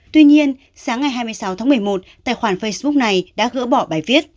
tuy nhiên sáng ngày hai mươi sáu tháng một mươi một tài khoản facebook này đã gỡ bỏ bài viết